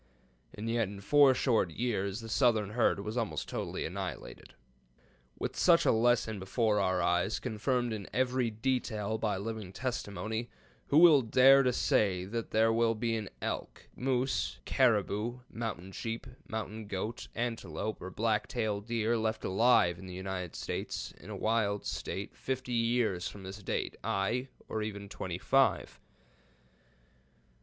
And yet, in four short years the southern herd was almost totally annihilated. With such a lesson before our eyes, confirmed in every detail by living testimony, who will dare to say that there will be an elk, moose, caribou, mountain sheep, mountain goat, antelope, or black tail deer left alive in the United States in a wild state fifty years from this date, ay, or even twenty five?